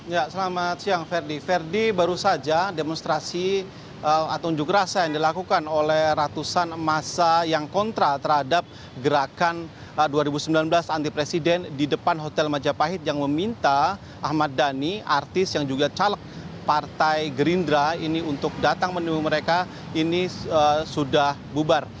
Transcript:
ya selamat siang ferdi ferdi baru saja demonstrasi atau unjuk rasa yang dilakukan oleh ratusan masa yang kontra terhadap gerakan dua ribu sembilan belas anti presiden di depan hotel majapahit yang meminta ahmad dhani artis yang juga caleg partai gerindra ini untuk datang menemu mereka ini sudah bubar